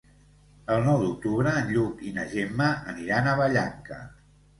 El nou d'octubre en Lluc i na Gemma aniran a Vallanca.